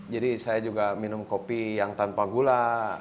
saya juga minum kopi yang tanpa gula